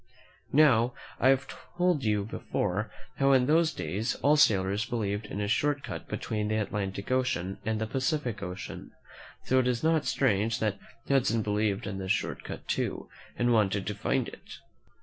Now, I have told you before how in those days all sailors believed in a short cut between the Atlantic Ocean and the Pacific Ocean; so it is not strange that Hudson believed in this short cut, too, and wanted to find it.